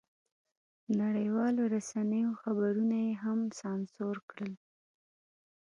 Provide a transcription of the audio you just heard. نړیوالو رسنیو خبرونه یې هم سانسور کړل.